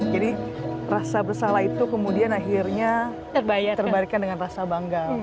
jadi rasa bersalah itu kemudian akhirnya terbaikkan dengan rasa bangga